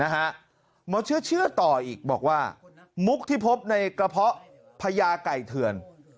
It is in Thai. หมอเชื่อต่ออีกบอกว่ามุกที่พบในกระเพาะพญาไก่เถื่อน